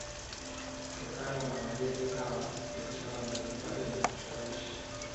Kutokana na wageni hawa biashara mbalimbali na ushawishi